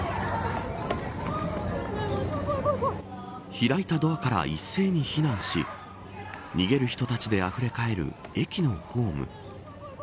開いたドアから一斉に非難し逃げる人たちであふれかえる駅のホーム。